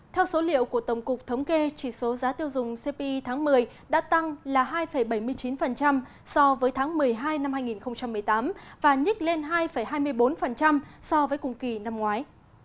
theo số liệu của tổng cục thống kê chỉ số giá tiêu dùng cpi tháng một mươi đã tăng là hai bảy mươi chín so với tháng một mươi hai năm hai nghìn một mươi tám và nhích lên hai hai mươi bốn so với cùng kỳ năm ngoái